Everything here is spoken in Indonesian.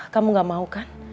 kamu gak mau kan